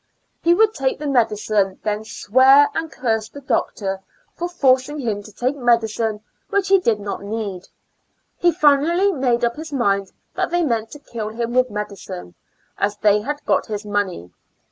He would take the medicine, then swear, and curse the doctor for forcing him to take medicine which he did not need. He finally made up his mind that they meant to kill him with medicine, as they had got his money.